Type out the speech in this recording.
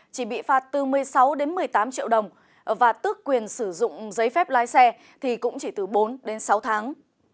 chỉ bị phạt từ một mươi sáu đến một mươi tám triệu đồng và tước quyền sử dụng giấy phép lái xe thì cũng chỉ từ bốn đến sáu tháng